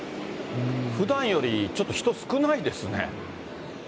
ふだんより、ちょっと人、少ないですね。